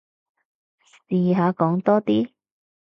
試下講多啲